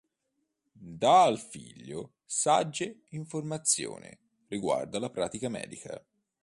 Dà al figlio sagge informazione riguardo alla pratica medica.